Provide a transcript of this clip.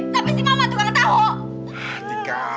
tapi si mama tuh nggak tau